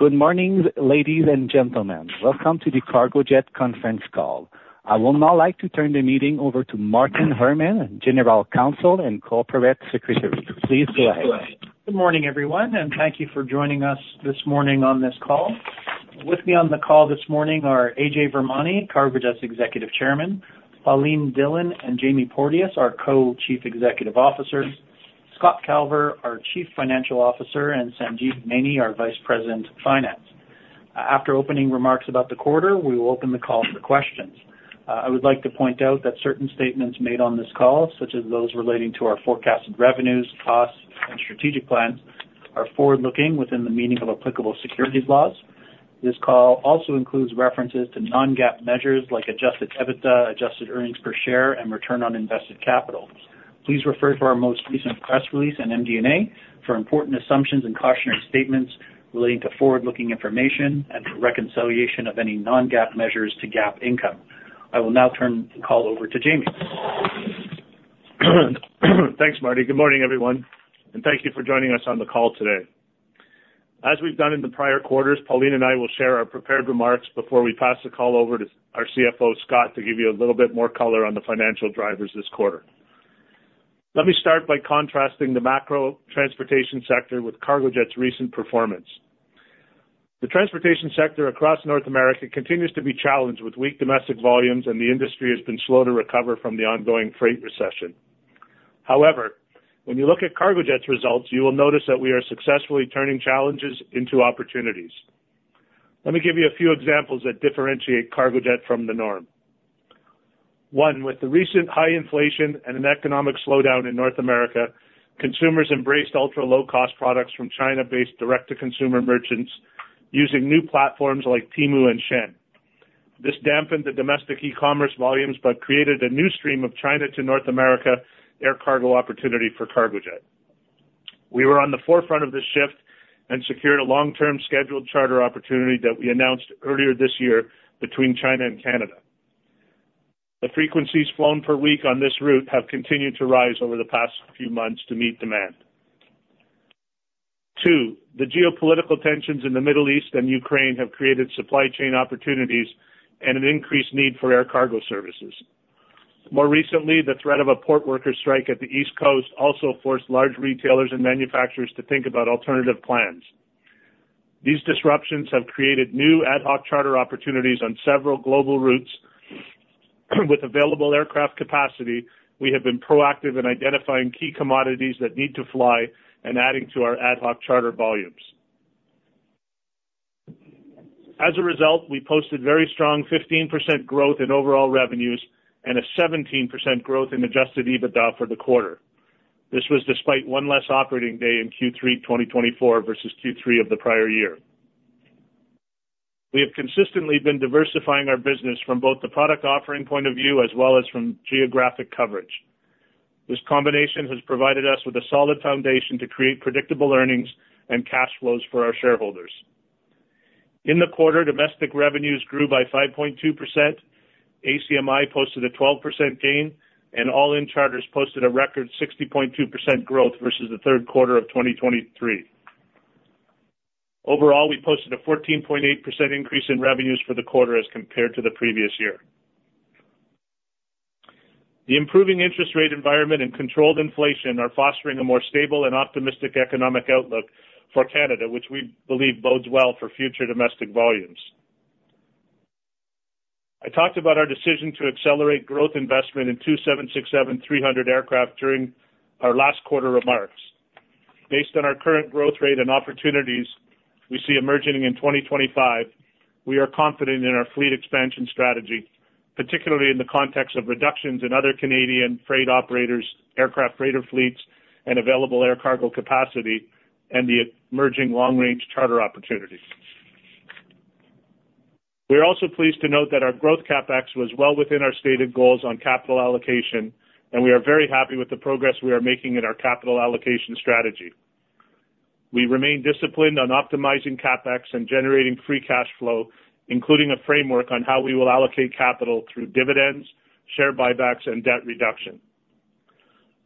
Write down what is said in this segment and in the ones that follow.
Good morning, ladies and gentlemen. Welcome to the Cargojet Conference Call. I would now like to turn the meeting over to Martin Herman, General Counsel and Corporate Secretary. Please go ahead. Good morning, everyone, and thank you for joining us this morning on this call. With me on the call this morning are Ajay Virmani, Cargojet's Executive Chairman, Pauline Dhillon and Jamie Porteous, our Co-Chief Executive Officers, Scott Calver, our Chief Financial Officer, and Sanjeev Maini, our Vice President of Finance. After opening remarks about the quarter, we will open the call for questions. I would like to point out that certain statements made on this call, such as those relating to our forecasted revenues, costs, and strategic plans, are forward-looking within the meaning of applicable securities laws. This call also includes references to non-GAAP measures like adjusted EBITDA, adjusted earnings per share, and return on invested capital. Please refer to our most recent press release and MD&A for important assumptions and cautionary statements relating to forward-looking information and reconciliation of any non-GAAP measures to GAAP income. I will now turn the call over to Jamie. Thanks, Marty. Good morning, everyone, and thank you for joining us on the call today. As we've done in the prior quarters, Pauline and I will share our prepared remarks before we pass the call over to our CFO, Scott, to give you a little bit more color on the financial drivers this quarter. Let me start by contrasting the macro transportation sector with Cargojet's recent performance. The transportation sector across North America continues to be challenged with weak domestic volumes, and the industry has been slow to recover from the ongoing freight recession. However, when you look at Cargojet's results, you will notice that we are successfully turning challenges into opportunities. Let me give you a few examples that differentiate Cargojet from the norm. One, with the recent high inflation and an economic slowdown in North America, consumers embraced ultra-low-cost products from China-based direct-to-consumer merchants using new platforms like Temu and Shein. This dampened the domestic e-commerce volumes but created a new stream of China-to-North America air cargo opportunity for Cargojet. We were on the forefront of this shift and secured a long-term scheduled charter opportunity that we announced earlier this year between China and Canada. The frequencies flown per week on this route have continued to rise over the past few months to meet demand. Two, the geopolitical tensions in the Middle East and Ukraine have created supply chain opportunities and an increased need for air cargo services. More recently, the threat of a port worker strike at the East Coast also forced large retailers and manufacturers to think about alternative plans. These disruptions have created new ad hoc charter opportunities on several global routes. With available aircraft capacity, we have been proactive in identifying key commodities that need to fly and adding to our ad hoc charter volumes. As a result, we posted very strong 15% growth in overall revenues and a 17% growth in adjusted EBITDA for the quarter. This was despite one less operating day in Q3 2024 versus Q3 of the prior year. We have consistently been diversifying our business from both the product offering point of view as well as from geographic coverage. This combination has provided us with a solid foundation to create predictable earnings and cash flows for our shareholders. In the quarter, domestic revenues grew by 5.2%. ACMI posted a 12% gain, and All-In Charters posted a record 60.2% growth versus the Q3 of 2023. Overall, we posted a 14.8% increase in revenues for the quarter as compared to the previous year. The improving interest rate environment and controlled inflation are fostering a more stable and optimistic economic outlook for Canada, which we believe bodes well for future domestic volumes. I talked about our decision to accelerate growth investment in two 767-300 aircraft during our last quarter remarks. Based on our current growth rate and opportunities we see emerging in 2025, we are confident in our fleet expansion strategy, particularly in the context of reductions in other Canadian freight operators' aircraft freighter fleets and available air cargo capacity and the emerging long-range charter opportunities. We are also pleased to note that our Growth CapEx was well within our stated goals on capital allocation, and we are very happy with the progress we are making in our capital allocation strategy. We remain disciplined on optimizing CapEx and generating free cash flow, including a framework on how we will allocate capital through dividends, share buybacks, and debt reduction.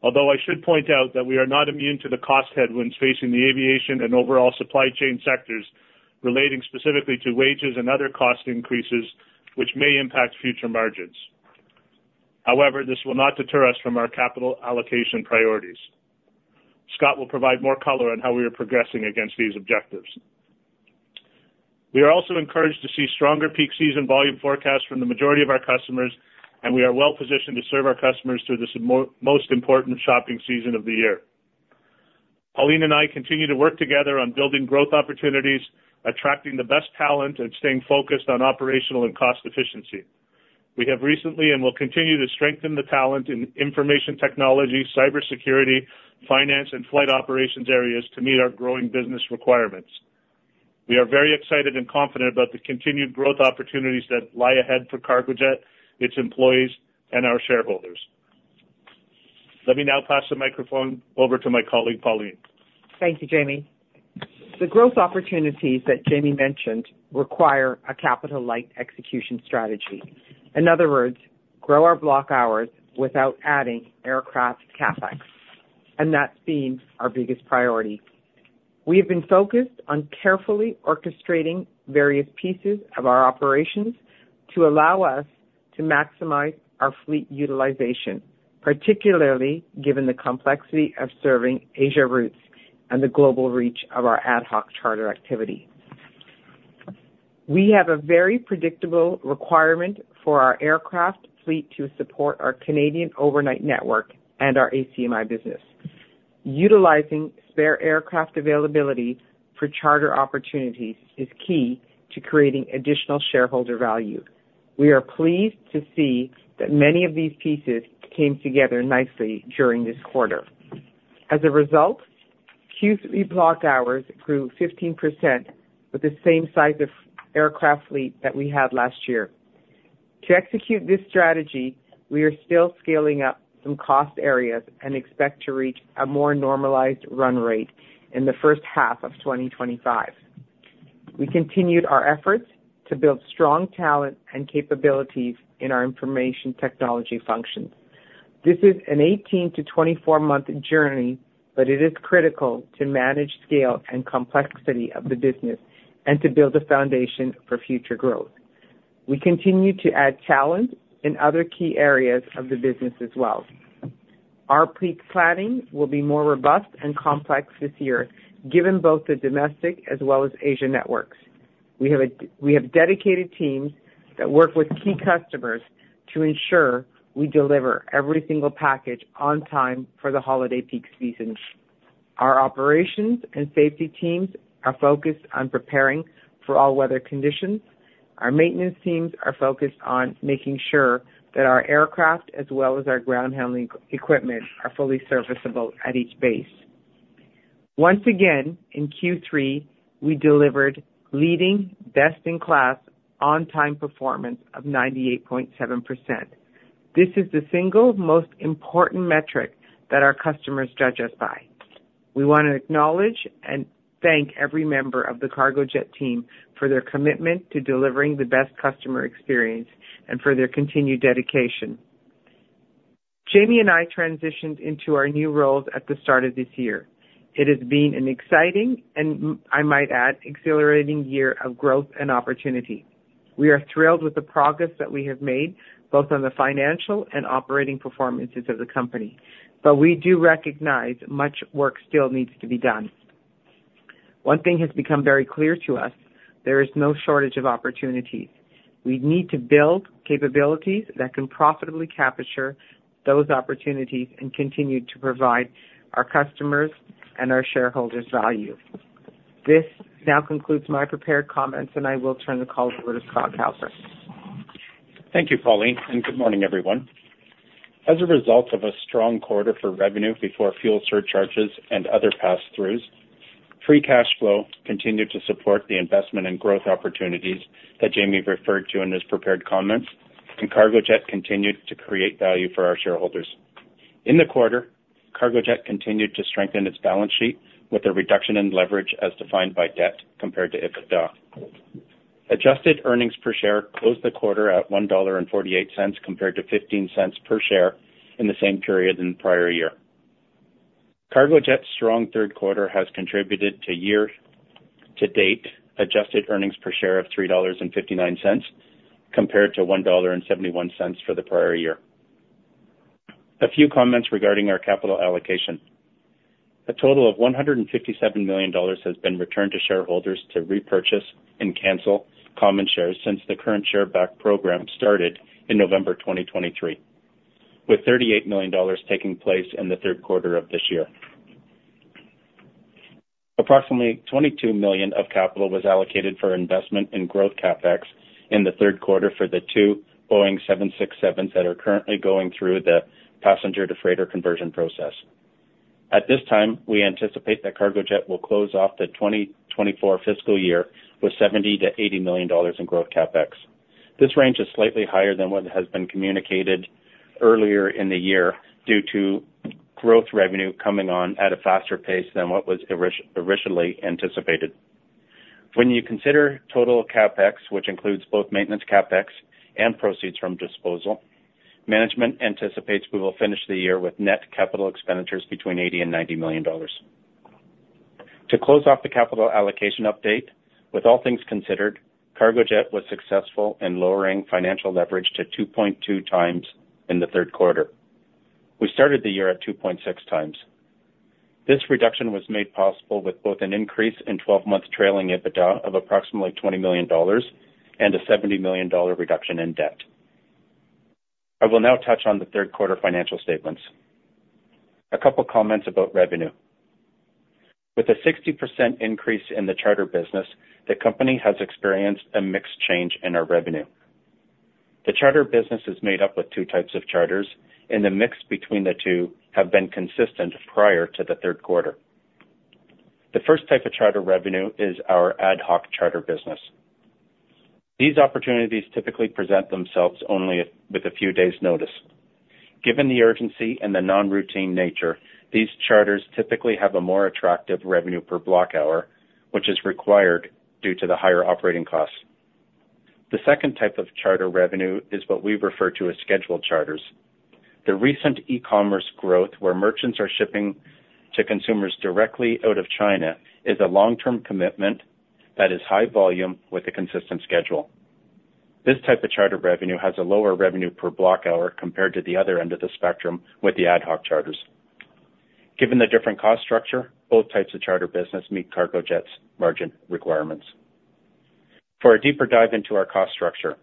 Although I should point out that we are not immune to the cost headwinds facing the aviation and overall supply chain sectors relating specifically to wages and other cost increases, which may impact future margins. However, this will not deter us from our capital allocation priorities. Scott will provide more color on how we are progressing against these objectives. We are also encouraged to see stronger peak season volume forecasts from the majority of our customers, and we are well positioned to serve our customers through this most important shopping season of the year. Pauline and I continue to work together on building growth opportunities, attracting the best talent, and staying focused on operational and cost efficiency. We have recently and will continue to strengthen the talent in information technology, cybersecurity, finance, and flight operations areas to meet our growing business requirements. We are very excited and confident about the continued growth opportunities that lie ahead for Cargojet, its employees, and our shareholders. Let me now pass the microphone over to my colleague, Pauline. Thank you, Jamie. The growth opportunities that Jamie mentioned require a capital-light execution strategy. In other words, grow our block hours without adding aircraft CapEx, and that's been our biggest priority. We have been focused on carefully orchestrating various pieces of our operations to allow us to maximize our fleet utilization, particularly given the complexity of serving Asia routes and the global reach of our ad hoc charter activity. We have a very predictable requirement for our aircraft fleet to support our Canadian overnight network and our ACMI business. Utilizing spare aircraft availability for charter opportunities is key to creating additional shareholder value. We are pleased to see that many of these pieces came together nicely during this quarter. As a result, Q3 block hours grew 15% with the same size of aircraft fleet that we had last year. To execute this strategy, we are still scaling up some cost areas and expect to reach a more normalized run rate in the H1 of 2025. We continued our efforts to build strong talent and capabilities in our information technology functions. This is an 18-24-month journey, but it is critical to manage scale and complexity of the business and to build a foundation for future growth. We continue to add talent in other key areas of the business as well. Our fleet planning will be more robust and complex this year, given both the domestic as well as Asia networks. We have dedicated teams that work with key customers to ensure we deliver every single package on time for the holiday peak season. Our operations and safety teams are focused on preparing for all weather conditions. Our maintenance teams are focused on making sure that our aircraft, as well as our ground-handling equipment, are fully serviceable at each base. Once again, in Q3, we delivered leading best-in-class on-time performance of 98.7%. This is the single most important metric that our customers judge us by. We want to acknowledge and thank every member of the Cargojet team for their commitment to delivering the best customer experience and for their continued dedication. Jamie and I transitioned into our new roles at the start of this year. It has been an exciting, and I might add, exhilarating year of growth and opportunity. We are thrilled with the progress that we have made, both on the financial and operating performances of the company, but we do recognize much work still needs to be done. One thing has become very clear to us: there is no shortage of opportunities. We need to build capabilities that can profitably capture those opportunities and continue to provide our customers and our shareholders value. This now concludes my prepared comments, and I will turn the call over to Scott Calver. Thank you, Pauline, and good morning, everyone. As a result of a strong quarter for revenue before fuel surcharges and other pass-throughs, free cash flow continued to support the investment and growth opportunities that Jamie referred to in his prepared comments, and Cargojet continued to create value for our shareholders. In the quarter, Cargojet continued to strengthen its balance sheet with a reduction in leverage as defined by debt compared to EBITDA. Adjusted earnings per share closed the quarter at 1.48 dollar compared to 0.15 per share in the same period in the prior year. Cargojet's strong Q3 has contributed to year-to-date adjusted earnings per share of 3.59 dollars compared to 1.71 dollar for the prior year. A few comments regarding our capital allocation. A total of 157 million dollars has been returned to shareholders to repurchase and cancel common shares since the current share-back program started in November 2023, with CAD 38 million taking place in the Q3 of this year. Approximately 22 million of capital was allocated for investment in Growth CapEx in the Q3 for the two Boeing 767s that are currently going through the passenger-to-freighter conversion process. At this time, we anticipate that Cargojet will close off the FY 2024 with 70 million-80 million dollars in Growth CapEx. This range is slightly higher than what has been communicated earlier in the year due to growth revenue coming on at a faster pace than what was originally anticipated. When you consider total CapEx, which includes both Maintenance CapEx and proceeds from disposal, management anticipates we will finish the year with net capital expenditures between 80 million and 90 million dollars. To close off the capital allocation update, with all things considered, Cargojet was successful in lowering financial leverage to 2.2 times in the Q3. We started the year at 2.6 times. This reduction was made possible with both an increase in 12-month trailing EBITDA of approximately 20 million dollars and a 70 million dollar reduction in debt. I will now touch on the Q3 financial statements. A couple of comments about revenue. With a 60% increase in the charter business, the company has experienced a mixed change in our revenue. The charter business is made up of two types of charters, and the mix between the two has been consistent prior to the Q3. The first type of charter revenue is our ad hoc charter business. These opportunities typically present themselves only with a few days' notice. Given the urgency and the non-routine nature, these charters typically have a more attractive revenue per block hour, which is required due to the higher operating costs. The second type of charter revenue is what we refer to as scheduled charters. The recent e-commerce growth, where merchants are shipping to consumers directly out of China, is a long-term commitment that is high volume with a consistent schedule. This type of charter revenue has a lower revenue per block hour compared to the other end of the spectrum with the ad hoc charters. Given the different cost structure, both types of charter business meet Cargojet's margin requirements. For a deeper dive into our cost structure,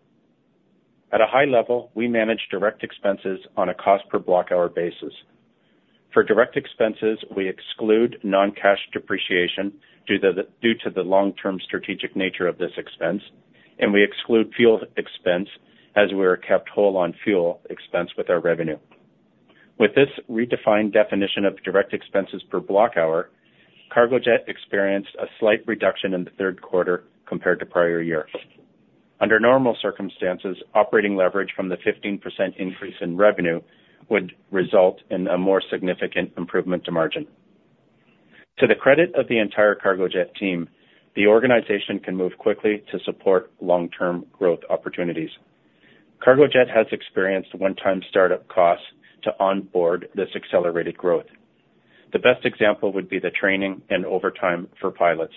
at a high level, we manage direct expenses on a cost-per-block-hour basis. For direct expenses, we exclude non-cash depreciation due to the long-term strategic nature of this expense, and we exclude fuel expense as we are kept whole on fuel expense with our revenue. With this redefined definition of direct expenses per block hour, Cargojet experienced a slight reduction in the Q3 compared to prior year. Under normal circumstances, operating leverage from the 15% increase in revenue would result in a more significant improvement to margin. To the credit of the entire Cargojet team, the organization can move quickly to support long-term growth opportunities. Cargojet has experienced one-time startup costs to onboard this accelerated growth. The best example would be the training and overtime for pilots.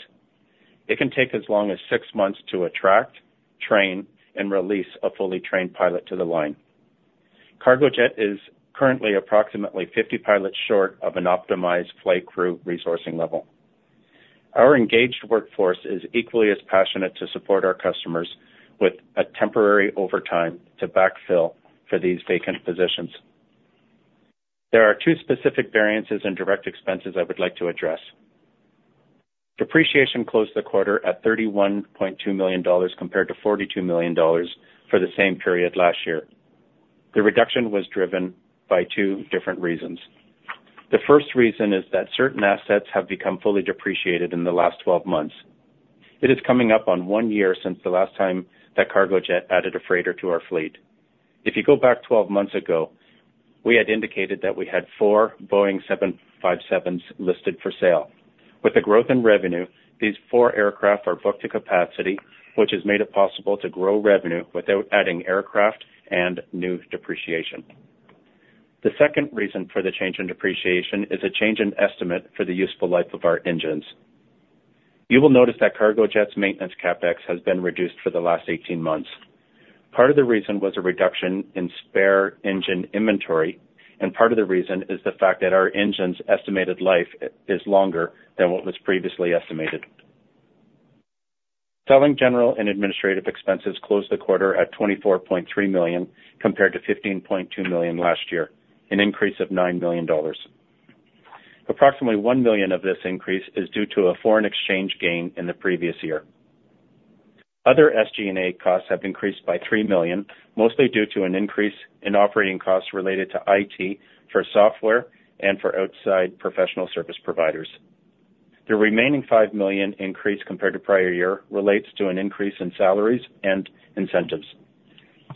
It can take as long as six months to attract, train, and release a fully trained pilot to the line. Cargojet is currently approximately 50 pilots short of an optimized flight crew resourcing level. Our engaged workforce is equally as passionate to support our customers with a temporary overtime to backfill for these vacant positions. There are two specific variances in direct expenses I would like to address. Depreciation closed the quarter at 31.2 million dollars compared to 42 million dollars for the same period last year. The reduction was driven by two different reasons. The first reason is that certain assets have become fully depreciated in the last 12 months. It is coming up on one year since the last time that Cargojet added a freighter to our fleet. If you go back 12 months ago, we had indicated that we had four Boeing 757s listed for sale. With the growth in revenue, these four aircraft are booked to capacity, which has made it possible to grow revenue without adding aircraft and new depreciation. The second reason for the change in depreciation is a change in estimate for the useful life of our engines. You will notice that Cargojet's maintenance CapEx has been reduced for the last 18 months. Part of the reason was a reduction in spare engine inventory, and part of the reason is the fact that our engines' estimated life is longer than what was previously estimated. Selling general and administrative expenses closed the quarter at 24.3 million compared to 15.2 million last year, an increase of 9 million dollars. Approximately 1 million of this increase is due to a foreign exchange gain in the previous year. Other SG&A costs have increased by 3 million, mostly due to an increase in operating costs related to IT for software and for outside professional service providers. The remaining 5 million increase compared to prior year relates to an increase in salaries and incentives.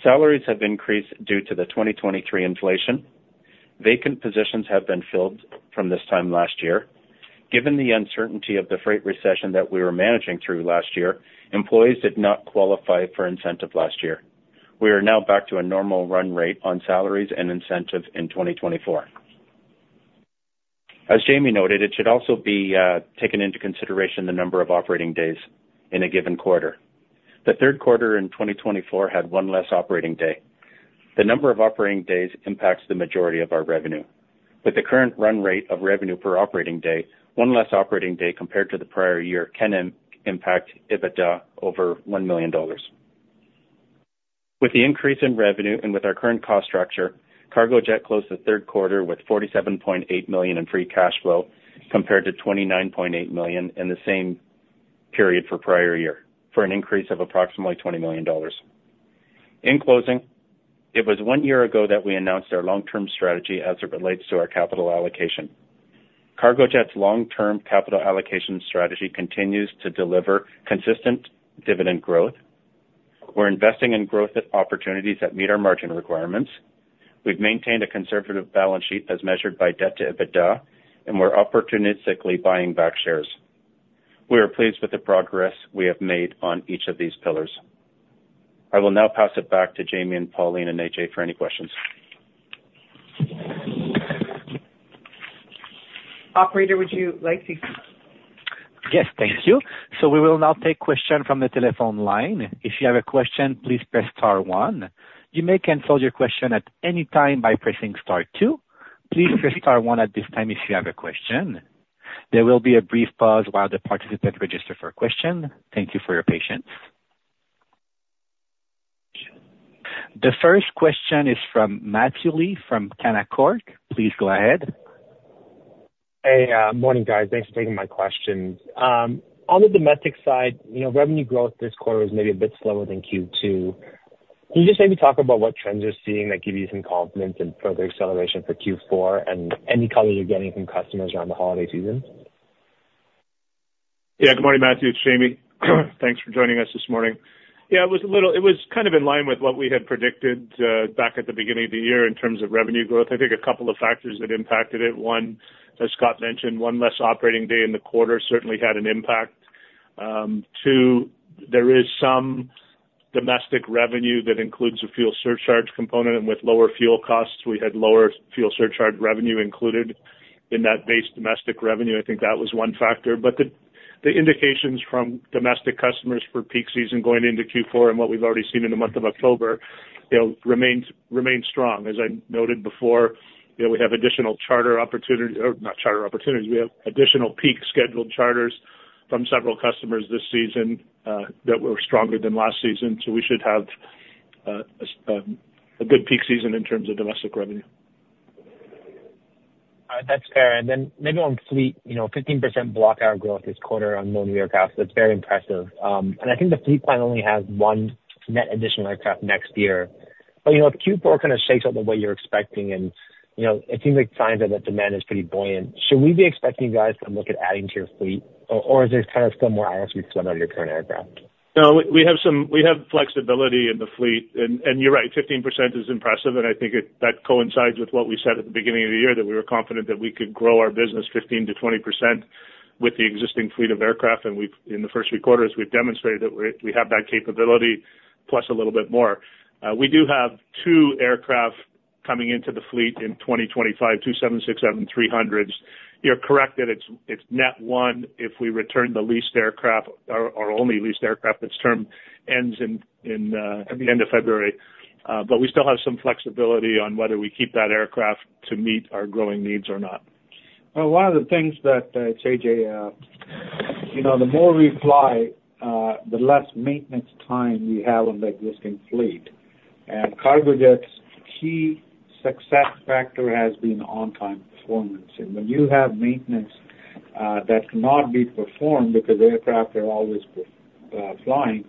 Salaries have increased due to the 2023 inflation. Vacant positions have been filled from this time last year. Given the uncertainty of the freight recession that we were managing through last year, employees did not qualify for incentive last year. We are now back to a normal run rate on salaries and incentive in 2024. As Jamie noted, it should also be taken into consideration the number of operating days in a given quarter. The Q3 in 2024 had one less operating day. The number of operating days impacts the majority of our revenue. With the current run rate of revenue per operating day, one less operating day compared to the prior year can impact EBITDA over 1 million dollars. With the increase in revenue and with our current cost structure, Cargojet closed the Q3 with 47.8 million in free cash flow compared to 29.8 million in the same period for prior year, for an increase of approximately 20 million dollars. In closing, it was one year ago that we announced our long-term strategy as it relates to our capital allocation. Cargojet's long-term capital allocation strategy continues to deliver consistent dividend growth. We're investing in growth opportunities that meet our margin requirements. We've maintained a conservative balance sheet as measured by debt to EBITDA, and we're opportunistically buying back shares. We are pleased with the progress we have made on each of these pillars. I will now pass it back to Jamie and Pauline and Ajay for any questions. Operator, would you like to? Yes, thank you. So we will now take questions from the telephone line. If you have a question, please press star one. You may cancel your question at any time by pressing star two. Please press star one at this time if you have a question. There will be a brief pause while the participants register for questions. Thank you for your patience. The first question is from Matthew Lee from Canaccord. Please go ahead. Hey, morning, guys. Thanks for taking my question. On the domestic side, revenue growth this quarter was maybe a bit slower than Q2. Can you just maybe talk about what trends you're seeing that give you some confidence in further acceleration for Q4 and any color you're getting from customers around the holiday season? Yeah, good morning, Matthew. It's Jamie. Thanks for joining us this morning. Yeah, it was kind of in line with what we had predicted back at the beginning of the year in terms of revenue growth. I think a couple of factors that impacted it. One, as Scott mentioned, one less operating day in the quarter certainly had an impact. Two, there is some domestic revenue that includes a fuel surcharge component, and with lower fuel costs, we had lower fuel surcharge revenue included in that base domestic revenue. I think that was one factor. But the indications from domestic customers for peak season going into Q4 and what we've already seen in the month of October remained strong. As I noted before, we have additional charter opportunities, or not charter opportunities. We have additional peak scheduled charters from several customers this season that were stronger than last season, so we should have a good peak season in terms of domestic revenue. That's fair. And then maybe on fleet, 15% block-hour growth this quarter on low vehicle costs. That's very impressive. And I think the fleet plan only has one net additional aircraft next year. But if Q4 kind of shapes up the way you're expecting and it seems like signs that the demand is pretty buoyant, should we be expecting you guys to look at adding to your fleet, or is it kind of still more hours we spend on your current aircraft? No, we have flexibility in the fleet. And you're right, 15% is impressive, and I think that coincides with what we said at the beginning of the year that we were confident that we could grow our business 15%-20% with the existing fleet of aircraft. And in the first three quarters, we've demonstrated that we have that capability, plus a little bit more. We do have two aircraft coming into the fleet in 2025, two 767-300s. You're correct that it's net one if we return the leased aircraft, our only leased aircraft that's termed, ends at the end of February. But we still have some flexibility on whether we keep that aircraft to meet our growing needs or not. One of the things that Ajay, the more we fly, the less maintenance time we have on the existing fleet. Cargojet's key success factor has been on-time performance. When you have maintenance that cannot be performed because aircraft are always flying,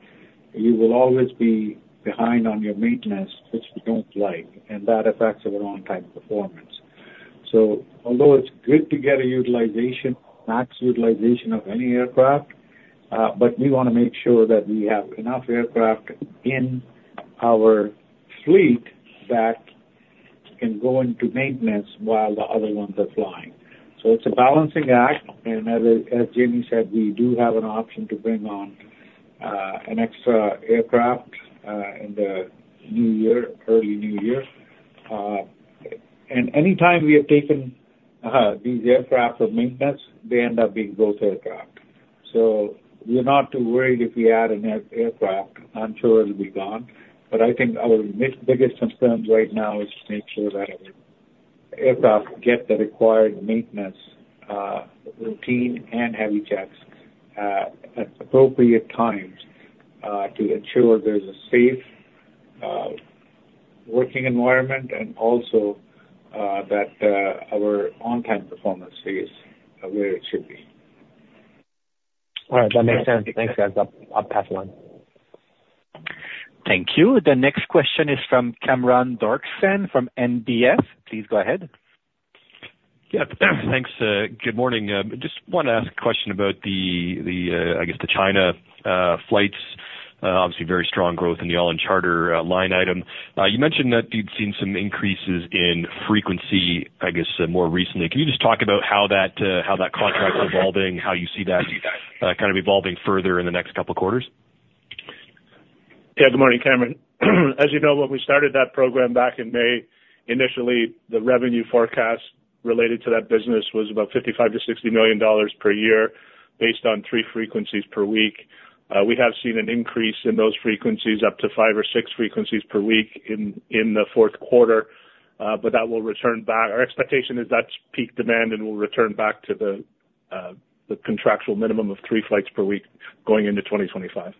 you will always be behind on your maintenance, which we don't like. That affects our on-time performance. Although it's good to get a utilization, max utilization of any aircraft, we want to make sure that we have enough aircraft in our fleet that can go into maintenance while the other ones are flying. It's a balancing act. As Jamie said, we do have an option to bring on an extra aircraft in the new year, early new year. Anytime we have taken these aircraft for maintenance, they end up being both aircraft. So we're not too worried if we add an aircraft. I'm sure it'll be gone. But I think our biggest concern right now is to make sure that our aircraft get the required maintenance routine and heavy checks at appropriate times to ensure there's a safe working environment and also that our on-time performance is where it should be. All right. That makes sense. Thanks, guys. I'll pass it on. Thank you. The next question is from Cameron Doerksen from NBF. Please go ahead. Yep. Thanks. Good morning. Just wanted to ask a question about the, I guess, the China flights. Obviously, very strong growth in the All-In Charter line item. You mentioned that you've seen some increases in frequency, I guess, more recently. Can you just talk about how that contract's evolving, how you see that kind of evolving further in the next couple of quarters? Yeah, good morning, Cameron. As you know, when we started that program back in May, initially, the revenue forecast related to that business was about 55 million-60 million dollars per year based on three frequencies per week. We have seen an increase in those frequencies up to five or six frequencies per week in the Q4, but that will return back. Our expectation is that's peak demand and will return back to the contractual minimum of three flights per week going into 2025.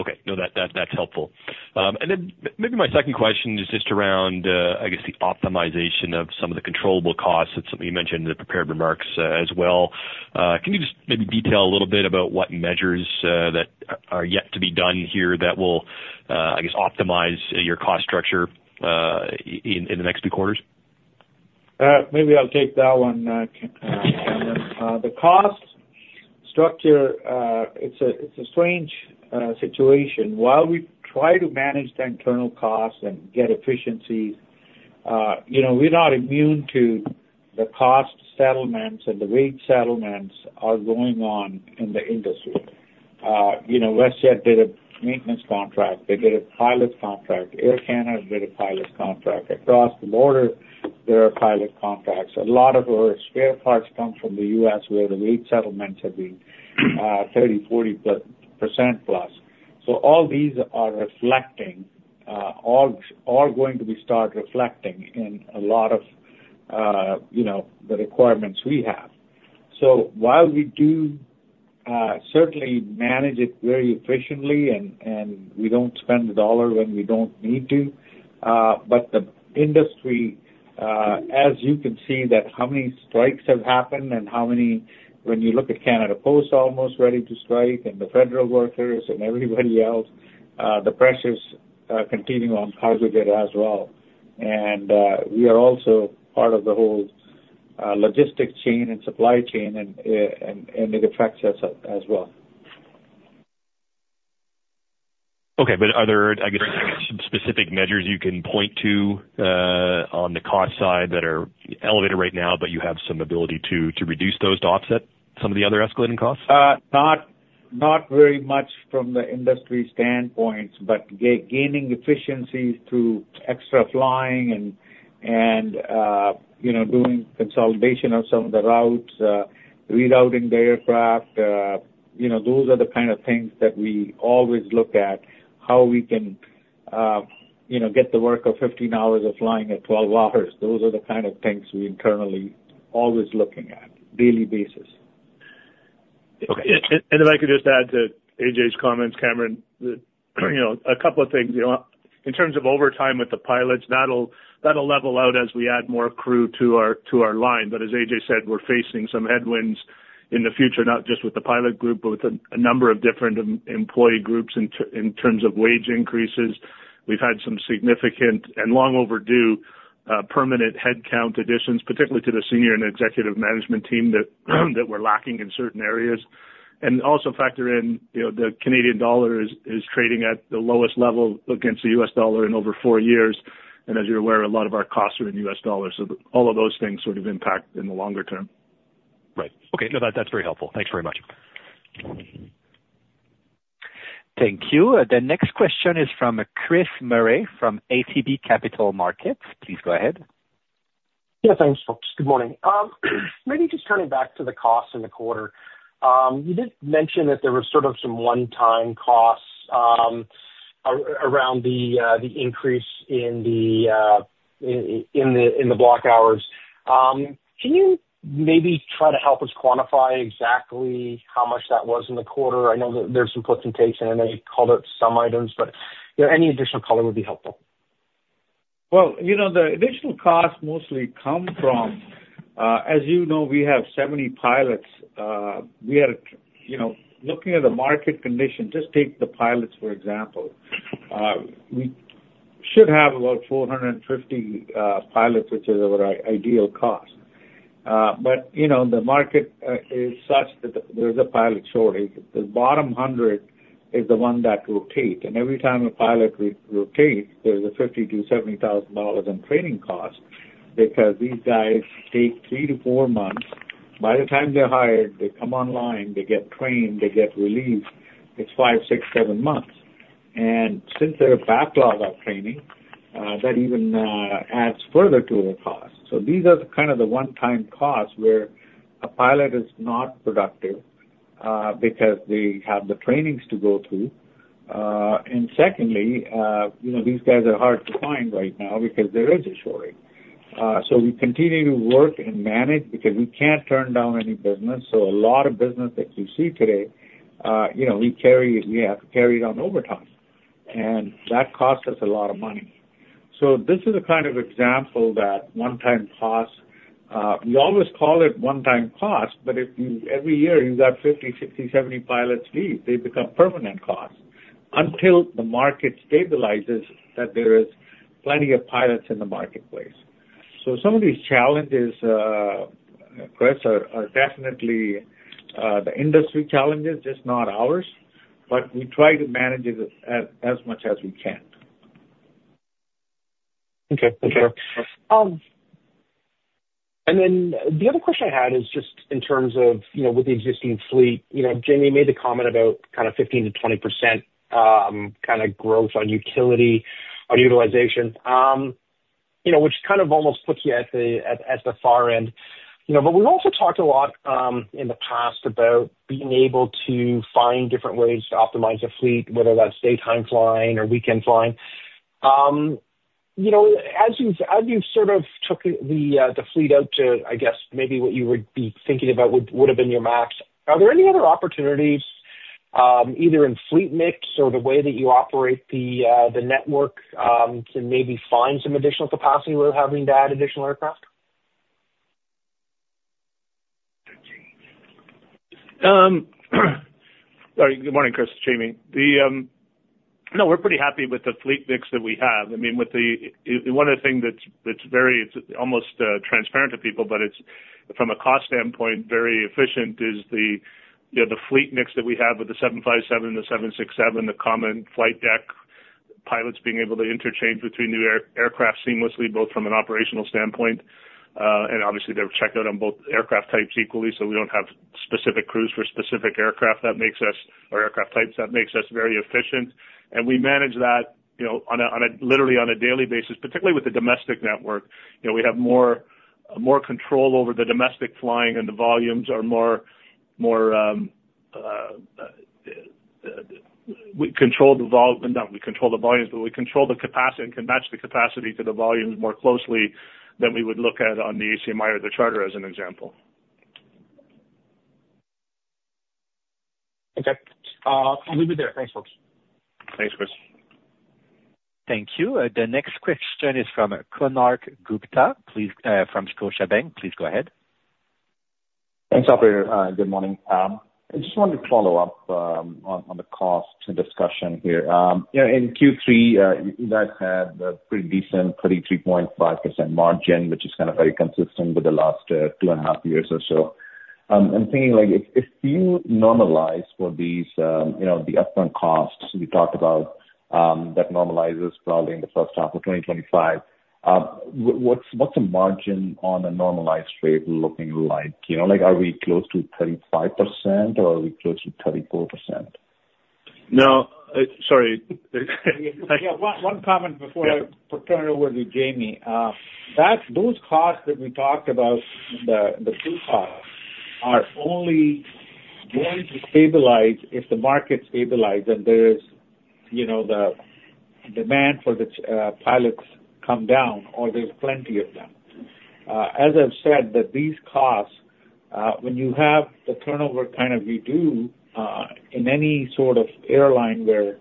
Okay. No, that's helpful. And then maybe my second question is just around, I guess, the optimization of some of the controllable costs. It's something you mentioned in the prepared remarks as well. Can you just maybe detail a little bit about what measures that are yet to be done here that will, I guess, optimize your cost structure in the next few quarters? Maybe I'll take that one, Cameron. The cost structure, it's a strange situation. While we try to manage the internal costs and get efficiencies, we're not immune to the cost settlements and the rate settlements are going on in the industry. WestJet did a maintenance contract. They did a pilot contract. Air Canada did a pilot contract. Across the border, there are pilot contracts. A lot of our spare parts come from the US where the rate settlements have been 30%-40% plus. So all these are reflecting, all going to start reflecting in a lot of the requirements we have. So, while we do certainly manage it very efficiently and we don't spend a dollar when we don't need to, but the industry, as you can see, that how many strikes have happened and how many, when you look at Canada Post almost ready to strike and the federal workers and everybody else, the pressures continue on Cargojet as well, and we are also part of the whole logistics chain and supply chain, and it affects us as well. Okay. But are there, I guess, some specific measures you can point to on the cost side that are elevated right now, but you have some ability to reduce those to offset some of the other escalating costs? Not very much from the industry standpoint, but gaining efficiencies through extra flying and doing consolidation of some of the routes, rerouting the aircraft. Those are the kind of things that we always look at, how we can get the work of 15 hours of flying at 12 hours. Those are the kind of things we internally always looking at, daily basis. If I could just add to Ajay's comments, Cameron, a couple of things. In terms of overtime with the pilots, that'll level out as we add more crew to our line. As Ajay said, we're facing some headwinds in the future, not just with the pilot group, but with a number of different employee groups in terms of wage increases. We've had some significant and long overdue permanent headcount additions, particularly to the senior and executive management team that we're lacking in certain areas. Also factor in the Canadian dollar is trading at the lowest level against the US dollar in over four years. As you're aware, a lot of our costs are in US dollars. All of those things sort of impact in the longer term. Right. Okay. No, that's very helpful. Thanks very much. Thank you. The next question is from Chris Murray from ATB Capital Markets. Please go ahead. Yeah, thanks, folks. Good morning. Maybe just turning back to the costs in the quarter. You did mention that there were sort of some one-time costs around the increase in the block hours. Can you maybe try to help us quantify exactly how much that was in the quarter? I know that there's some puts and takes, and I know you called out some items, but any additional color would be helpful. The additional costs mostly come from, as you know, we have 70 pilots. We are looking at the market condition. Just take the pilots, for example. We should have about 450 pilots, which is our ideal cost. But the market is such that there's a pilot shortage. The bottom hundred is the one that rotates. And every time a pilot rotates, there's 50,000-70,000 dollars in training costs because these guys take three to four months. By the time they're hired, they come online, they get trained, they get released. It's five, six, seven months. And since there's a backlog of training, that even adds further to our costs. So these are kind of the one-time costs where a pilot is not productive because they have the trainings to go through. And secondly, these guys are hard to find right now because there is a shortage. So we continue to work and manage because we can't turn down any business. So a lot of business that you see today, we have to carry it on overtime. And that costs us a lot of money. So this is a kind of example that one-time costs. We always call it one-time costs, but every year you've got 50, 60, 70 pilots leave. They become permanent costs until the market stabilizes that there is plenty of pilots in the marketplace. So some of these challenges, Chris, are definitely the industry challenges, just not ours. But we try to manage it as much as we can. Okay. Thank you. And then the other question I had is just in terms of with the existing fleet. Jamie made the comment about kind of 15%-20% kind of growth on utility, on utilization, which kind of almost puts you at the far end. But we've also talked a lot in the past about being able to find different ways to optimize a fleet, whether that's daytime flying or weekend flying. As you sort of took the fleet out to, I guess, maybe what you would be thinking about would have been your max, are there any other opportunities either in fleet mix or the way that you operate the network to maybe find some additional capacity without having to add additional aircraft? Sorry. Good morning, Chris. Jamie. No, we're pretty happy with the fleet mix that we have. I mean, one of the things that's very, it's almost transparent to people, but it's, from a cost standpoint, very efficient, is the fleet mix that we have with the 757 and the 767, the common flight deck, pilots being able to interchange between new aircraft seamlessly, both from an operational standpoint. And obviously, they're checked out on both aircraft types equally, so we don't have specific crews for specific aircraft. That makes us, or aircraft types, that makes us very efficient. And we manage that literally on a daily basis, particularly with the domestic network. We have more control over the domestic flying, and the volumes are more. We control the capacity and can match the capacity to the volumes more closely than we would look at on the ACMI or the charter as an example. Okay. I'll leave it there. Thanks, folks. Thanks, Chris. Thank you. The next question is from Konark Gupta. From Scotiabank, please go ahead. Thanks, Ajay. Good morning, Cam. I just wanted to follow up on the cost discussion here. In Q3, you guys had a pretty decent 33.5% margin, which is kind of very consistent with the last two and a half years or so. I'm thinking, if you normalize for these upfront costs we talked about that normalizes probably in the H1 of 2025, what's the margin on a normalized rate looking like? Are we close to 35%, or are we close to 34%? No. Sorry. Yeah. One comment before I turn it over to Jamie. Those costs that we talked about, the two costs, are only going to stabilize if the market stabilizes and there is the demand for the pilots come down, or there's plenty of them. As I've said, these costs, when you have the turnover kind of redo in any sort of airline where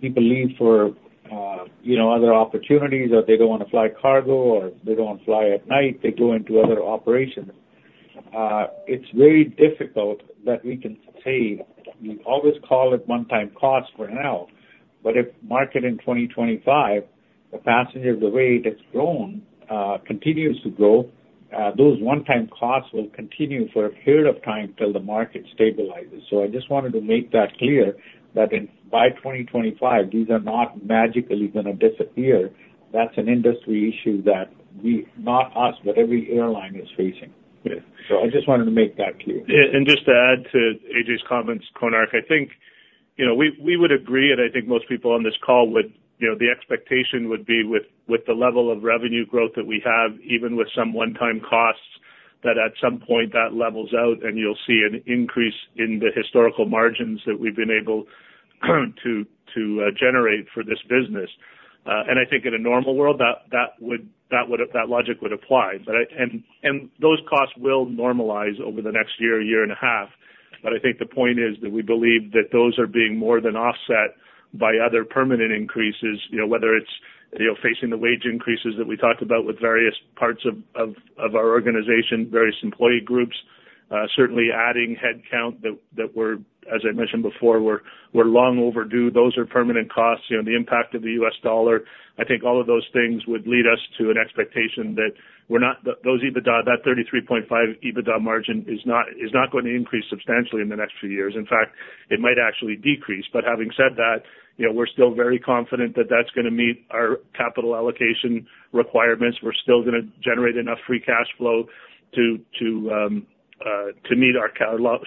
people leave for other opportunities, or they don't want to fly cargo, or they don't want to fly at night, they go into other operations, it's very difficult that we can save. We always call it one-time cost for now. But if market in 2025, the passenger, the rate has grown, continues to grow, those one-time costs will continue for a period of time until the market stabilizes. So I just wanted to make that clear that by 2025, these are not magically going to disappear. That's an industry issue that not us, but every airline is facing. So I just wanted to make that clear. And just to add to Ajay's comments, Konark, I think we would agree, and I think most people on this call would, the expectation would be with the level of revenue growth that we have, even with some one-time costs, that at some point that levels out and you'll see an increase in the historical margins that we've been able to generate for this business. And I think in a normal world, that logic would apply. And those costs will normalize over the next year, year and a half. But I think the point is that we believe that those are being more than offset by other permanent increases, whether it's facing the wage increases that we talked about with various parts of our organization, various employee groups, certainly adding headcount that we're, as I mentioned before, we're long overdue. Those are permanent costs. The impact of the U.S. dollar, I think all of those things would lead us to an expectation that those EBITDA, that 33.5% EBITDA margin is not going to increase substantially in the next few years. In fact, it might actually decrease. But having said that, we're still very confident that that's going to meet our capital allocation requirements. We're still going to generate enough free cash flow to meet our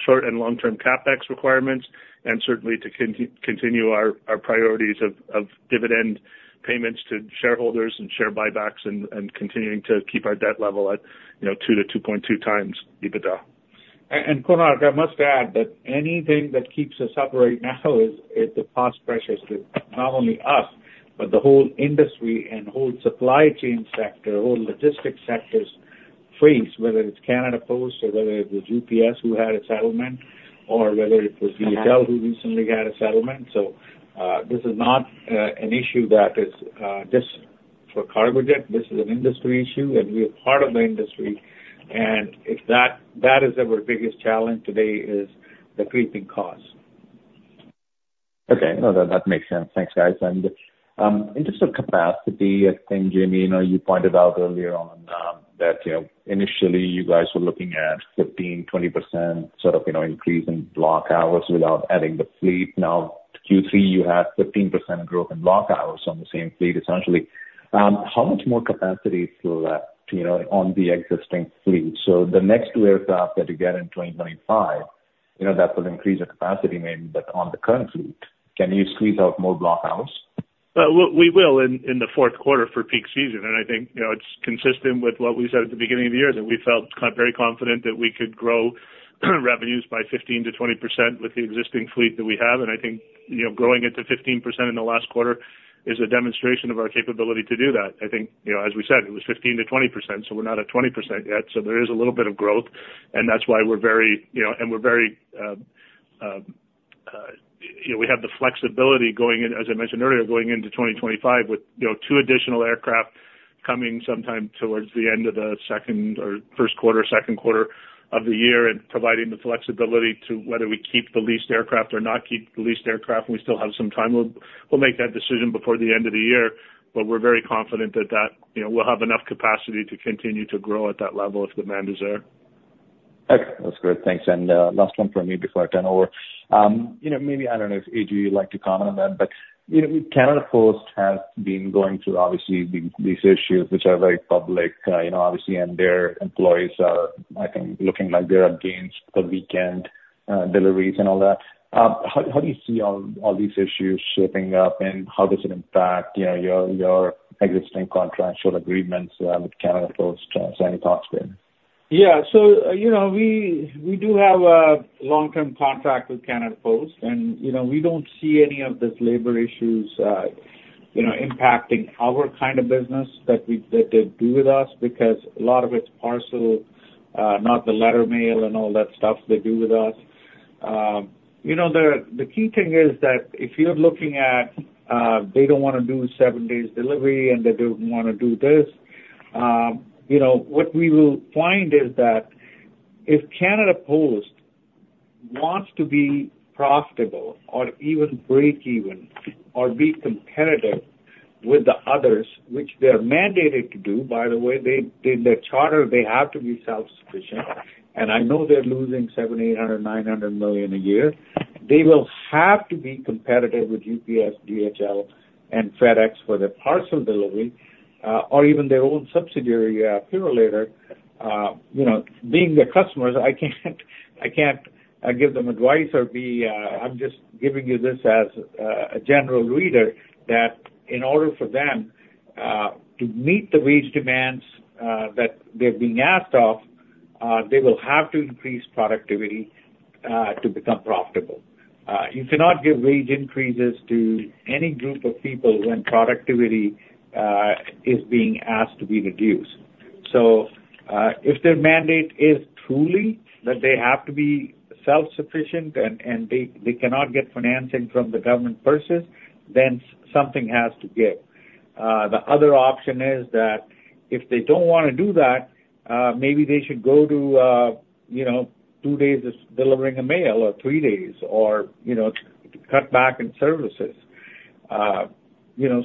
short and long-term CapEx requirements, and certainly to continue our priorities of dividend payments to shareholders and share buybacks and continuing to keep our debt level at 2-2.2 times EBITDA. Konark, I must add that anything that keeps us up right now is the cost pressures that not only us, but the whole industry and whole supply chain sector, whole logistics sectors face, whether it's Canada Post or whether it was UPS who had a settlement or whether it was DHL who recently had a settlement. So this is not an issue that is just for Cargojet. This is an industry issue, and we are part of the industry. And if that is ever our biggest challenge today, it is the creeping costs. Okay. No, that makes sense. Thanks, guys. And in terms of capacity, I think, Jamie, you pointed out earlier on that initially you guys were looking at 15%-20% sort of increase in block hours without adding the fleet. Now, Q3, you had 15% growth in block hours on the same fleet, essentially. How much more capacity is left on the existing fleet? So the next two aircraft that you get in 2025, that will increase your capacity maybe, but on the current fleet, can you squeeze out more block hours? We will in the Q4 for peak season. I think it's consistent with what we said at the beginning of the year that we felt very confident that we could grow revenues by 15%-20% with the existing fleet that we have. I think growing it to 15% in the last quarter is a demonstration of our capability to do that. I think, as we said, it was 15%-20%, so we're not at 20% yet. There is a little bit of growth, and that's why we're very. We have the flexibility going in, as I mentioned earlier, going into 2025 with two additional aircraft coming sometime towards the end of the second or Q1, Q2 of the year and providing the flexibility to whether we keep the leased aircraft or not keep the leased aircraft. We still have some time. We'll make that decision before the end of the year. But we're very confident that we'll have enough capacity to continue to grow at that level if demand is there. Okay. That's great. Thanks. And last one from me before I turn it over. Maybe I don't know if Ajay would like to comment on that, but Canada Post has been going through, obviously, these issues which are very public, obviously, and their employees are, I think, looking like they're aiming for weekend deliveries and all that. How do you see all these issues shaping up, and how does it impact your existing contractual agreements with Canada Post and any costs there? Yeah. So we do have a long-term contract with Canada Post, and we don't see any of these labor issues impacting our kind of business that they do with us because a lot of it's parcel, not the letter mail and all that stuff they do with us. The key thing is that if you're looking at they don't want to do seven-day delivery and they don't want to do this, what we will find is that if Canada Post wants to be profitable or even break even or be competitive with the others, which they're mandated to do, by the way, in their charter, they have to be self-sufficient. And I know they're losing 700 million, 800 million, 900 million a year. They will have to be competitive with UPS, DHL, and FedEx for their parcel delivery or even their own subsidiary here later. Being their customers, I can't give them advice. I'm just giving you this as a general reader, that in order for them to meet the wage demands that they're being asked of, they will have to increase productivity to become profitable. You cannot give wage increases to any group of people when productivity is being asked to be reduced. So if their mandate is truly that they have to be self-sufficient and they cannot get financing from the government purses, then something has to give. The other option is that if they don't want to do that, maybe they should go to two days of delivering a mail or three days or cut back in services.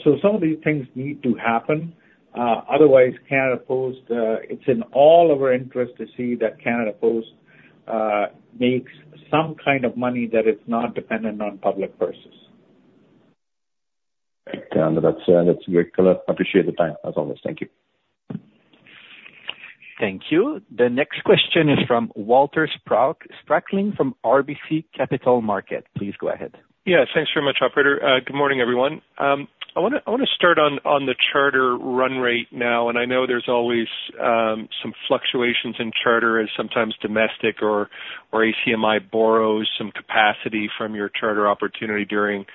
So some of these things need to happen. Otherwise, Canada Post. It's in all of our interest to see that Canada Post makes some kind of money that is not dependent on public purses. Okay. No, that's great. Connor, appreciate the time, as always. Thank you. Thank you. The next question is from Walter Sprackling from RBC Capital Markets. Please go ahead. Yeah. Thanks very much, Ajay. Good morning, everyone. I want to start on the charter run rate now. And I know there's always some fluctuations in charter as sometimes domestic or ACMI borrows some capacity from your charter opportunity during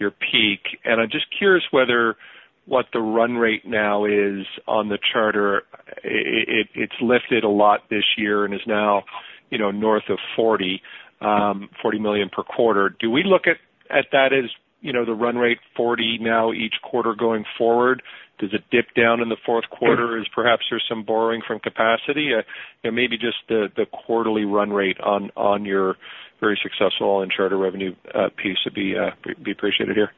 your peak. And I'm just curious whether what the run rate now is on the charter. It's lifted a lot this year and is now north of 40 million per quarter. Do we look at that as the run rate 40 now each quarter going forward? Does it dip down in the Q4 as perhaps there's some borrowing from capacity? Maybe just the quarterly run rate on your very successful all-in charter revenue piece would be appreciated here.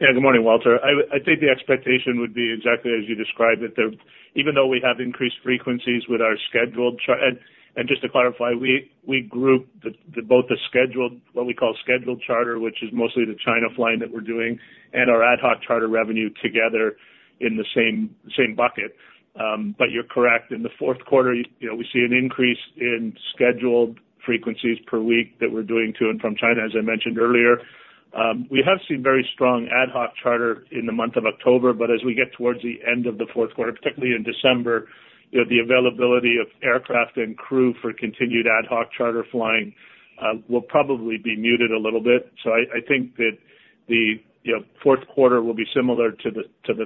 Yeah. Good morning, Walter. I think the expectation would be exactly as you described it, even though we have increased frequencies with our scheduled, and just to clarify, we group both the what we call scheduled charter, which is mostly the China flying that we're doing, and our ad hoc charter revenue together in the same bucket. But you're correct. In the Q4, we see an increase in scheduled frequencies per week that we're doing to and from China, as I mentioned earlier. We have seen very strong ad hoc charter in the month of October. But as we get towards the end of the Q4, particularly in December, the availability of aircraft and crew for continued ad hoc charter flying will probably be muted a little bit. So I think that the Q4 will be similar to the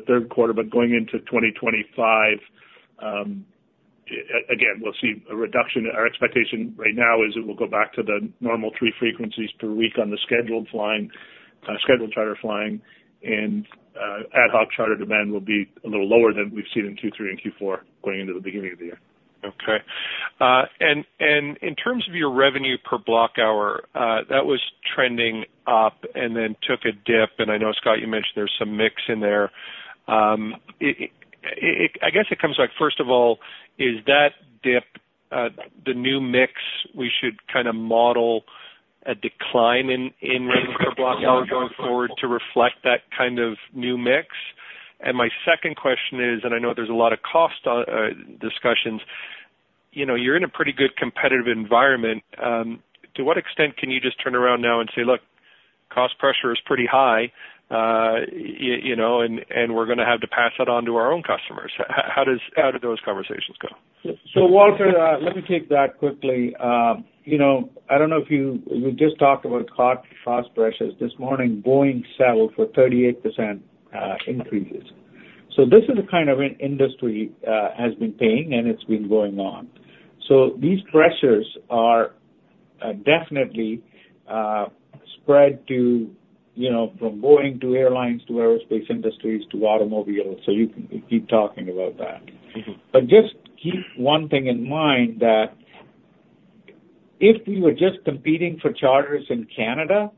Q3. But going into 2025, again, we'll see a reduction. Our expectation right now is it will go back to the normal three frequencies per week on the scheduled flying, scheduled charter flying, and ad hoc charter demand will be a little lower than we've seen in Q3 and Q4 going into the beginning of the year. Okay. And in terms of your revenue per block hour, that was trending up and then took a dip. And I know, Scott, you mentioned there's some mix in there. I guess it comes back, first of all, is that dip the new mix we should kind of model a decline in revenue per block hour going forward to reflect that kind of new mix? And my second question is, and I know there's a lot of cost discussions, you're in a pretty good competitive environment. To what extent can you just turn around now and say, "Look, cost pressure is pretty high, and we're going to have to pass that on to our own customers"? How do those conversations go? So Walter, let me take that quickly. I don't know if you just talked about cost pressures. This morning, Boeing settled for 38% increases. So this is the kind of industry that has been paying, and it's been going on. So these pressures are definitely spread from Boeing to airlines to aerospace industries to automobiles. So you can keep talking about that. But just keep one thing in mind that if we were just competing for charters in Canada,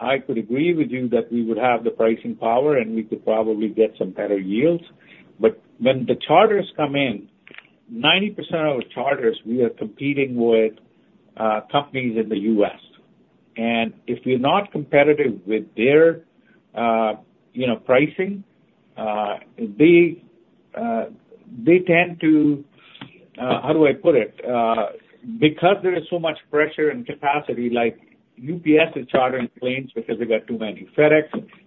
I could agree with you that we would have the pricing power, and we could probably get some better yields. But when the charters come in, 90% of our charters, we are competing with companies in the US. And if we're not competitive with their pricing, they tend to, how do I put it? Because there is so much pressure and capacity, UPS is chartering planes because they got too many. FedEx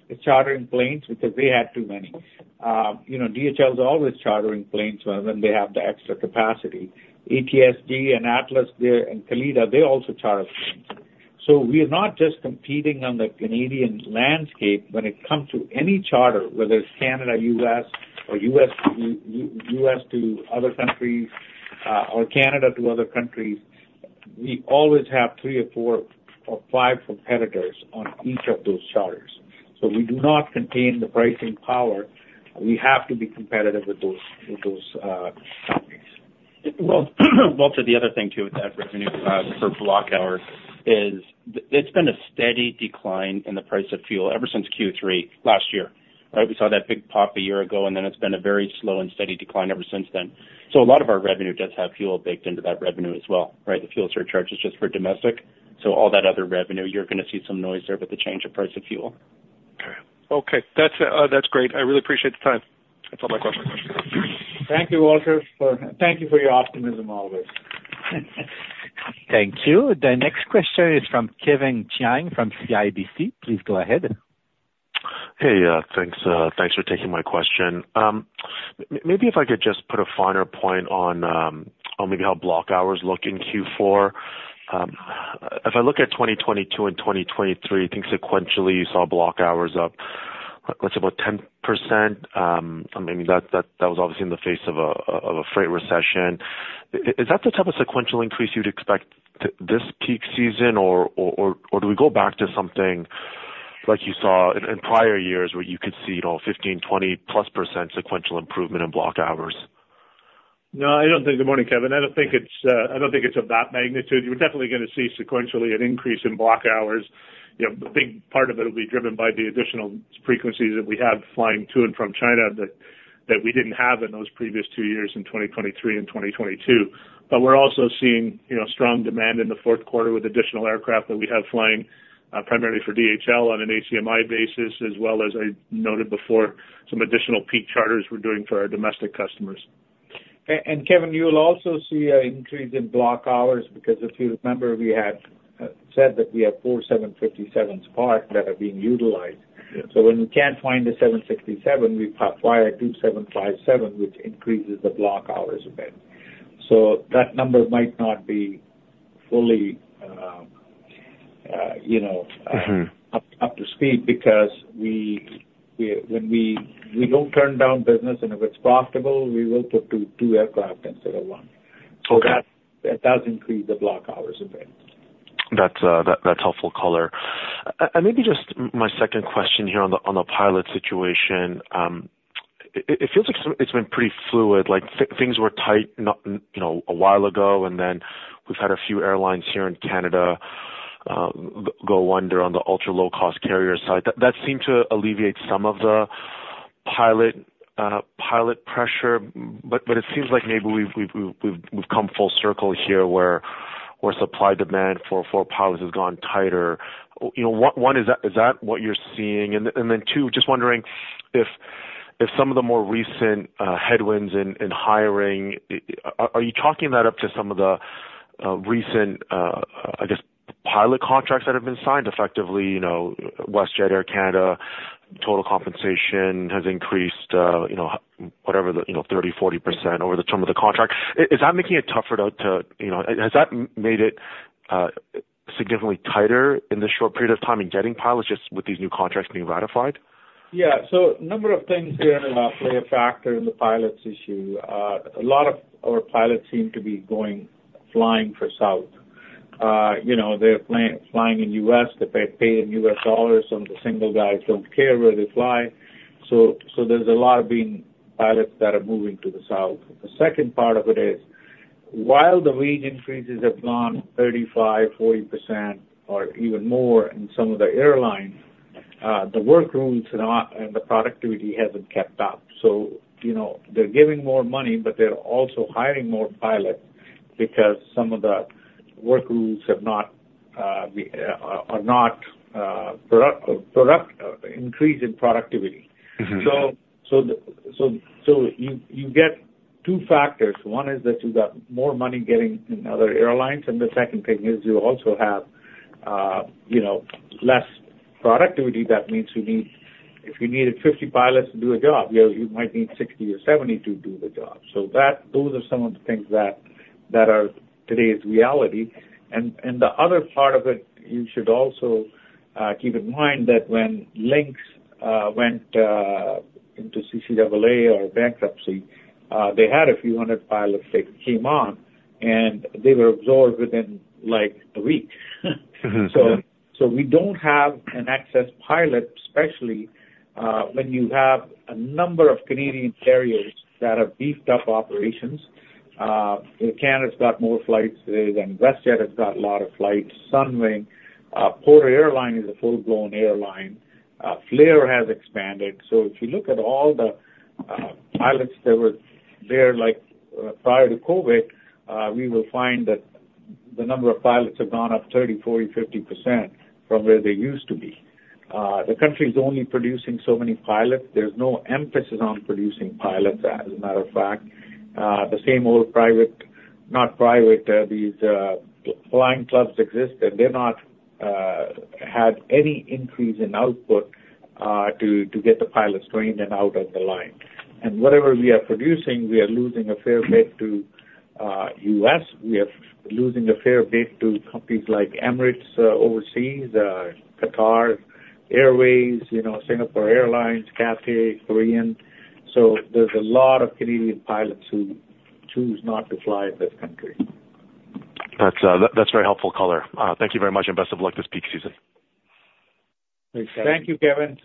is chartering planes because they had too many. DHL is always chartering planes when they have the extra capacity. ATSG and Atlas and Kalitta, they also charter planes. So we are not just competing on the Canadian landscape when it comes to any charter, whether it's Canada, U.S., or U.S. to other countries or Canada to other countries. We always have three or four or five competitors on each of those charters. So we do not contain the pricing power. We have to be competitive with those companies. Walter, the other thing too with that revenue per block hour is it's been a steady decline in the price of fuel ever since Q3 last year. Right? We saw that big pop a year ago, and then it's been a very slow and steady decline ever since then. So a lot of our revenue does have fuel baked into that revenue as well. Right? The fuel surcharge is just for domestic. So all that other revenue, you're going to see some noise there with the change of price of fuel. Okay. Okay. That's great. I really appreciate the time. That's all my questions. Thank you, Walter. Thank you for your optimism, always. Thank you. The next question is from Kevin Chiang from CIBC. Please go ahead. Hey, thanks for taking my question. Maybe if I could just put a finer point on maybe how block hours look in Q4. If I look at 2022 and 2023, I think sequentially you saw block hours up, let's say, about 10%. I mean, that was obviously in the face of a freight recession. Is that the type of sequential increase you'd expect this peak season, or do we go back to something like you saw in prior years where you could see 15%-20+% sequential improvement in block hours? No, I don't think. Good morning, Kevin. I don't think it's of that magnitude. You're definitely going to see sequentially an increase in block hours. A big part of it will be driven by the additional frequencies that we have flying to and from China that we didn't have in those previous two years in 2023 and 2022. But we're also seeing strong demand in the Q4 with additional aircraft that we have flying primarily for DHL on an ACMI basis, as well as, I noted before, some additional peak charters we're doing for our domestic customers. And Kevin, you'll also see an increase in block hours because if you remember, we had said that we have four 757s parked that are being utilized. So when we can't find the 767, we acquire two 757, which increases the block hours a bit. So that number might not be fully up to speed because when we don't turn down business, and if it's profitable, we will put two aircraft instead of one. So that does increase the block hours a bit. That's helpful color. Maybe just my second question here on the pilot situation. It feels like it's been pretty fluid. Things were tight a while ago, and then we've had a few airlines here in Canada go under on the ultra-low-cost carrier side. That seemed to alleviate some of the pilot pressure. But it seems like maybe we've come full circle here where supply demand for pilots has gone tighter. One, is that what you're seeing? And then two, just wondering if some of the more recent headwinds in hiring, are you chalking that up to some of the recent, I guess, pilot contracts that have been signed effectively? WestJet, Air Canada, total compensation has increased whatever, 30%-40% over the term of the contract. Is that making it tougher to--has that made it significantly tighter in this short period of time in getting pilots just with these new contracts being ratified? Yeah. So a number of things here play a factor in the pilots' issue. A lot of our pilots seem to be going flying south. They're flying in the U.S. They pay in U.S. dollars, and the single guys don't care where they fly. So there's a lot of pilots that are moving to the south. The second part of it is, while the wage increases have gone 35%-40% or even more in some of the airlines, the work rules and the productivity haven't kept up. So they're giving more money, but they're also hiring more pilots because some of the work rules are not increasing productivity. So you get two factors. One is that you've got more money getting in other airlines, and the second thing is you also have less productivity. That means if you needed 50 pilots to do a job, you might need 60 or 70 to do the job. So those are some of the things that are today's reality. And the other part of it, you should also keep in mind that when Lynx Air went into CCAA or bankruptcy, they had a few hundred pilots that came on, and they were absorbed within a week. So we don't have an excess pilot, especially when you have a number of Canadian carriers that have beefed up operations. Canada's got more flights today than WestJet has got a lot of flights. Sunwing, Porter Airlines is a full-blown airline. Flair Airlines has expanded. So if you look at all the pilots that were there prior to COVID, we will find that the number of pilots have gone up 30%, 40%, 50% from where they used to be. The country is only producing so many pilots. There's no emphasis on producing pilots, as a matter of fact. The same old private, not private, these flying clubs exist, and they're not had any increase in output to get the pilots trained and out of the line. And whatever we are producing, we are losing a fair bit to U.S. We are losing a fair bit to companies like Emirates overseas, Qatar Airways, Singapore Airlines, Cathay, Korean. So there's a lot of Canadian pilots who choose not to fly in this country. That's very helpful color. Thank you very much, and best of luck this peak season. Thank you, Kevin.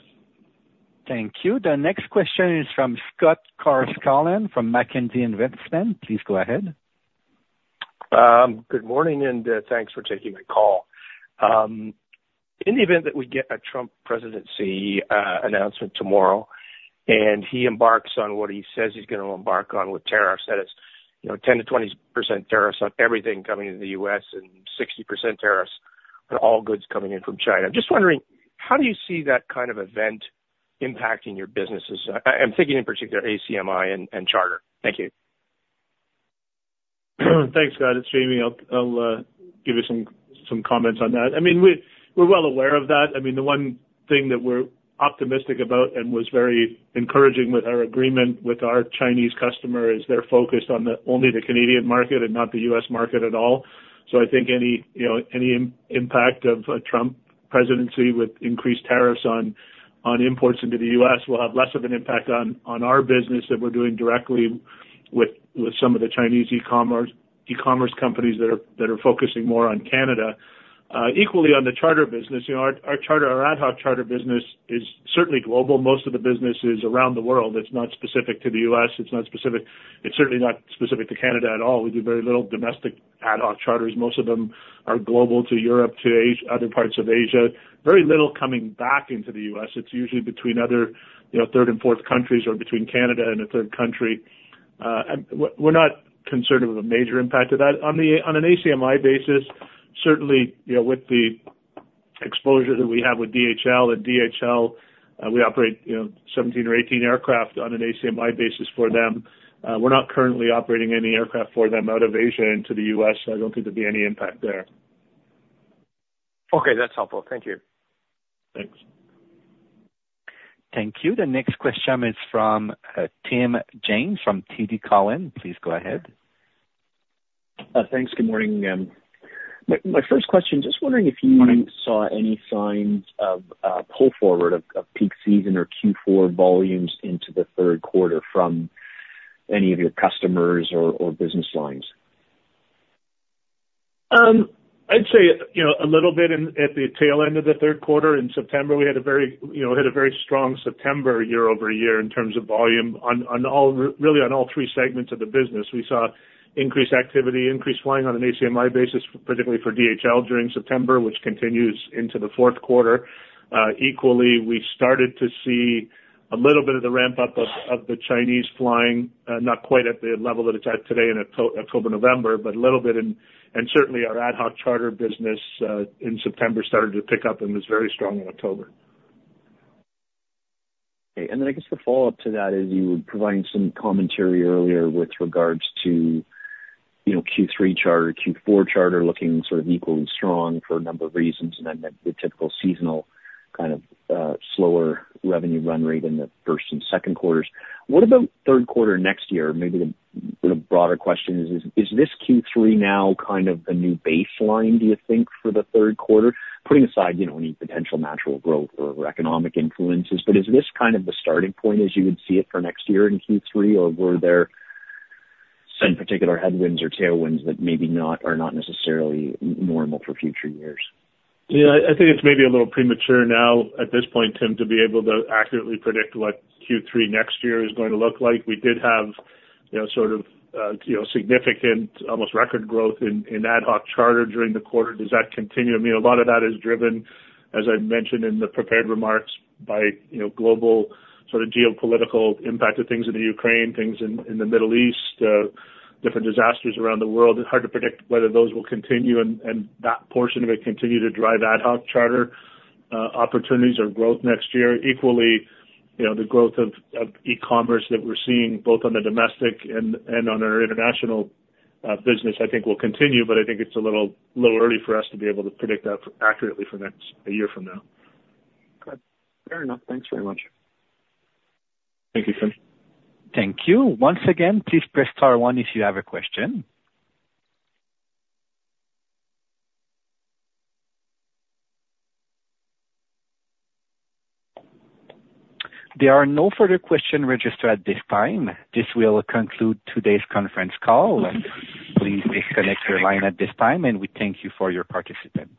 Thank you. The next question is from Scott Carscallen from Mackenzie Investments. Please go ahead. Good morning, and thanks for taking my call. In the event that we get a Trump presidency announcement tomorrow, and he embarks on what he says he's going to embark on with tariffs, that is 10%-20% tariffs on everything coming into the US and 60% tariffs on all goods coming in from China. I'm just wondering, how do you see that kind of event impacting your businesses? I'm thinking in particular ACMI and Charter. Thank you. Thanks, Scott. It's Jamie. I'll give you some comments on that. I mean, we're well aware of that. I mean, the one thing that we're optimistic about and was very encouraging with our agreement with our Chinese customer is they're focused on only the Canadian market and not the US market at all. So I think any impact of a Trump presidency with increased tariffs on imports into the US will have less of an impact on our business that we're doing directly with some of the Chinese e-commerce companies that are focusing more on Canada. Equally, on the charter business, our ad hoc charter business is certainly global. Most of the business is around the world. It's not specific to the US. It's certainly not specific to Canada at all. We do very little domestic ad hoc charters. Most of them are global to Europe, to other parts of Asia. Very little coming back into the U.S. It's usually between other third and fourth countries or between Canada and a third country. We're not concerned with a major impact of that. On an ACMI basis, certainly with the exposure that we have with DHL, and DHL, we operate 17 or 18 aircraft on an ACMI basis for them. We're not currently operating any aircraft for them out of Asia into the U.S. I don't think there'd be any impact there. Okay. That's helpful. Thank you. Thanks. Thank you. The next question is from Tim James from TD Cowen. Please go ahead. Thanks. Good morning, Tim. My first question, just wondering if you saw any signs of pull forward of peak season or Q4 volumes into the Q3 from any of your customers or business lines? I'd say a little bit at the tail end of the Q3. In September, we had a very strong September year-over-year in terms of volume. Really, on all three segments of the business, we saw increased activity, increased flying on an ACMI basis, particularly for DHL during September, which continues into the Q4. Equally, we started to see a little bit of the ramp-up of the Chinese flying, not quite at the level that it's at today in October-November, but a little bit, and certainly, our ad hoc charter business in September started to pick up and was very strong in October. Okay. And then I guess the follow-up to that is you were providing some commentary earlier with regards to Q3 charter, Q4 charter looking sort of equally strong for a number of reasons, and then the typical seasonal kind of slower revenue run rate in the first and Q2s. What about Q3 next year? Maybe the broader question is, is this Q3 now kind of the new baseline, do you think, for the Q3? Putting aside any potential natural growth or economic influences, but is this kind of the starting point as you would see it for next year in Q3, or were there some particular headwinds or tailwinds that maybe are not necessarily normal for future years? Yeah. I think it's maybe a little premature now at this point, Tim, to be able to accurately predict what Q3 next year is going to look like. We did have sort of significant, almost record growth in ad hoc charter during the quarter. Does that continue? I mean, a lot of that is driven, as I mentioned in the prepared remarks, by global sort of geopolitical impact of things in the Ukraine, things in the Middle East, different disasters around the world. It's hard to predict whether those will continue and that portion of it continue to drive ad hoc charter opportunities or growth next year. Equally, the growth of e-commerce that we're seeing both on the domestic and on our international business, I think, will continue, but I think it's a little early for us to be able to predict that accurately for a year from now. Fair enough. Thanks very much. Thank you, Tim. Thank you. Once again, please press star one if you have a question. There are no further questions registered at this time. This will conclude today's conference call. Please disconnect your line at this time, and we thank you for your participation.